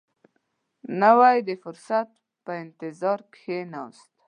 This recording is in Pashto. نو د فرصت په انتظار کښېناست.